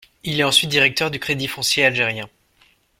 Il est ensuite directeur du Crédit foncier algérien.